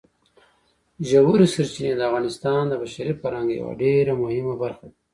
ژورې سرچینې د افغانستان د بشري فرهنګ یوه ډېره مهمه برخه ده.